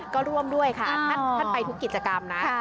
ก็ร่วมด้วยค่ะท่านไปทุกกิจกรรมนะ